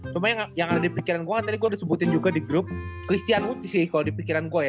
cuma yang ada di pikiran gue kan tadi gue udah sebutin juga di grup christian muti sih kalau di pikiran gue